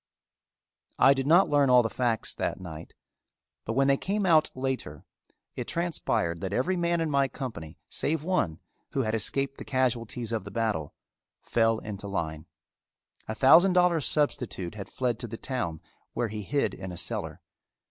I did not learn all the facts that night, but when they came out later, it transpired that every man in my company, save one, who had escaped the casualties of the battle, fell into line. A thousand dollar substitute had fled to the town where he hid in a cellar.